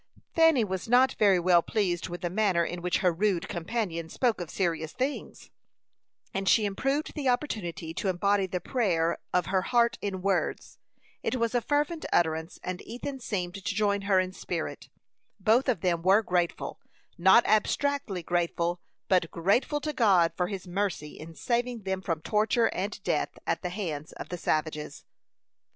Fanny was not very well pleased with the manner in which her rude companion spoke of serious things, and she improved the opportunity to embody the prayer of her heart in words. It was a fervent utterance, and Ethan seemed to join her in spirit. Both of them were grateful not abstractly grateful, but grateful to God for his mercy in saving them from torture and death at the hands of the savages.